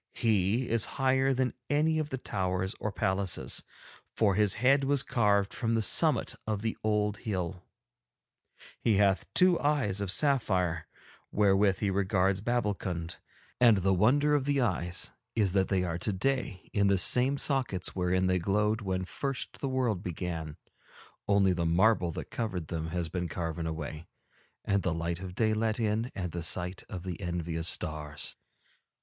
He is higher than any of the towers or palaces, for his head was carved from the summit of the old hill; he hath two eyes of sapphire wherewith he regards Babbulkund, and the wonder of the eyes is that they are today in the same sockets wherein they glowed when first the world began, only the marble that covered them has been carven away and the light of day let in and the sight of the envious stars.